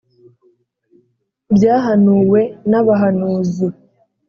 Byahanuwe n`abahanuzi